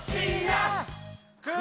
く！